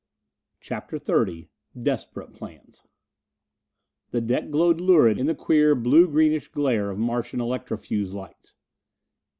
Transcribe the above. CHAPTER XXX Desperate Plans The deck glowed lurid in the queer blue greenish glare of Martian electro fuse lights.